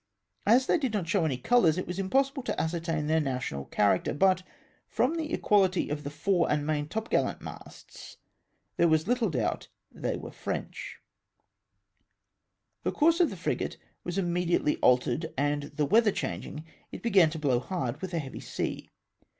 As they did not show any colours, it was impossible to ascertain their national character, but, from the equahty of the fore and maintopgallant masts, there was little doubt they were French. A CHASE. 177 The course of the frigate was immediately altered, and the weather changing, it began to blow hard, mth a heavy sea.